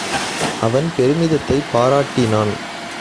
அவன் பெருமிதத்தைப் பாராட் டினான்.